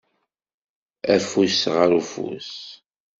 Afus ɣer ufus.